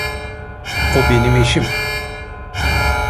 O benim eşim.